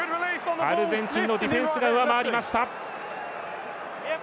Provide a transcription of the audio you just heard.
アルゼンチンのディフェンスが上回りました。